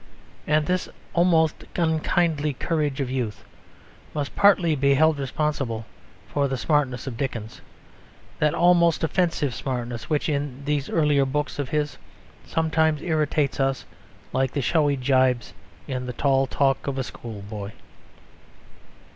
And this almost unkindly courage of youth must partly be held responsible for the smartness of Dickens, that almost offensive smartness which in these earlier books of his sometimes irritates us like the showy gibes in the tall talk of a school boy.